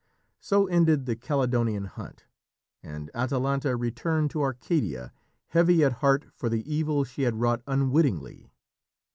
So ended the Calydonian Hunt, and Atalanta returned to Arcadia, heavy at heart for the evil she had wrought unwittingly.